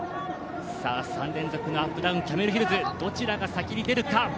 ３連続のアップダウンキャメルヒルズ、どちらが先に出るか。